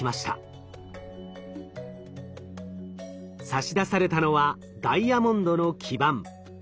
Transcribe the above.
差し出されたのはダイヤモンドの基板。